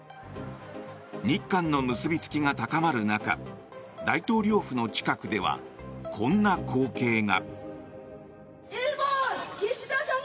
日韓の結びつきが高まる中大統領府の近くではこんな光景が。